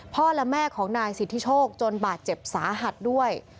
และแม่ของนายสิทธิโชคจนบาดเจ็บสาหัสด้วย